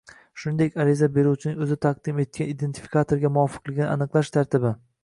shuningdek ariza beruvchining o‘zi taqdim etgan identifikatorga muvofiqligini aniqlash tartibi